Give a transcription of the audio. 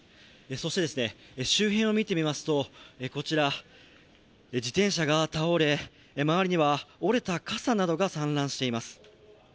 そして、周辺を見てみますとこちら自転車が倒れ、周りには折れた傘などが散乱しています。